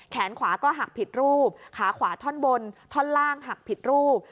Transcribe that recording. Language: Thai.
แขนขวาก็หักผิดรูปขาขวาท่อนบนท่อนล่างหักผิดรูป